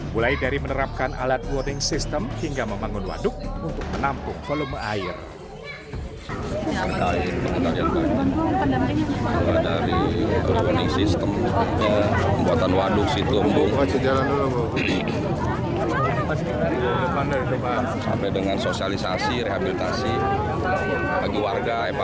mulai dari menerapkan alat warning system hingga membangun waduk untuk menampung volume air